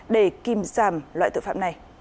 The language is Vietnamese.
để kìm giảm loại tội phạm này